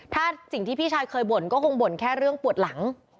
ถ้าสิ่งที่พี่ชายเคยบ่นก็คงบ่นแค่เรื่องปวดหลัง